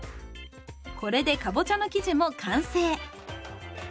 これでかぼちゃの生地も完成。